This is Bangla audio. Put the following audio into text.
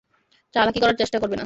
চালাকি করার চেষ্টা করবে না।